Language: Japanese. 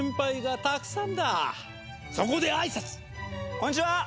「こんにちは！